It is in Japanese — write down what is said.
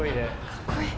かっこいい。